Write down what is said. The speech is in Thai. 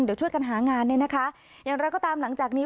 เดี๋ยวช่วยกันหางานเนี่ยนะคะอย่างไรก็ตามหลังจากนี้